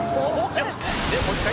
もう１回？